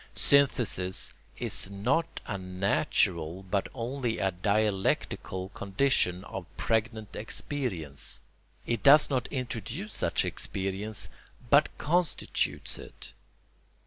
Synthesis is not a natural but only a dialectical condition of pregnant experience; it does not introduce such experience but constitutes it.